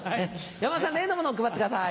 山田さん例のものを配ってください。